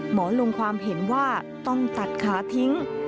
ลงความเห็นว่าต้องตัดขาทิ้ง